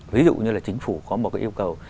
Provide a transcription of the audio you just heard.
ví dụ như là chính phủ có một cái yêu cầu